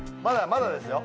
まだですよ